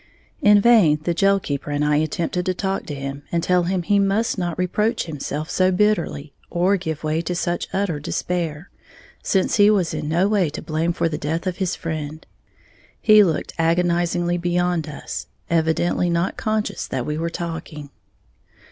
In vain the jail keeper and I attempted to talk to him and tell him he must not reproach himself so bitterly, or give way to such utter despair, since he was in no way to blame for the death of his friend. He looked agonizingly beyond us, evidently not conscious that we were talking.